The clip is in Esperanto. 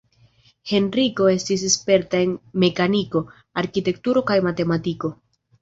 Henriko estis sperta en mekaniko, arkitekturo kaj matematiko.